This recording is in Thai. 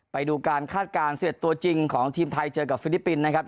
ไปดูการคาดการณ์๑๑ตัวจริงของทีมไทยเจอกับฟิลิปปินส์นะครับ